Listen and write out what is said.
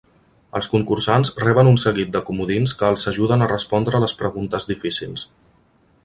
Els concursants reben un seguit de comodins que els ajuden a respondre les preguntes difícils.